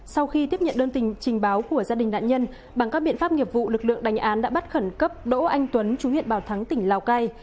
sau khi tiếp nhận đơn trình báo của gia đình nạn nhân bằng các biện pháp nghiệp vụ lực lượng đánh án đã bắt khẩn cấp đỗ anh tuấn chú huyện bảo thắng tỉnh lào cai